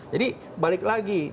jadi balik lagi